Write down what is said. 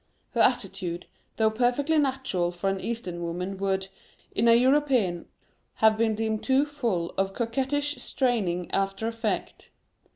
Her attitude, though perfectly natural for an Eastern woman would, in a European, have been deemed too full of coquettish straining after effect.